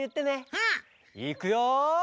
うん。いくよ！